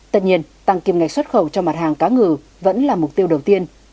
tất nhiên tăng kim ngạch xuất khẩu cho mặt hàng cá ngừ vẫn là mục tiêu đầu tiên